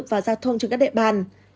và giao thông trên các địa bàn